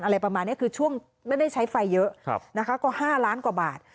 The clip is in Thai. อะไรประมาณนี้คือช่วงไม่ได้ใช้ไฟเยอะนะคะก็๕ล้านกว่าบาท